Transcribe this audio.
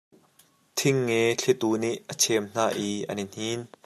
Thing nge thlitu nih a chem hna i an i hnin.